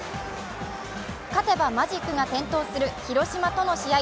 勝てばマジックが点灯する広島との試合。